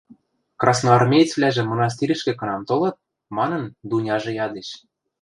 – Красноармеецвлӓжӹ мынастирӹшкӹ кынам толыт? – манын, Дуняжы ядеш.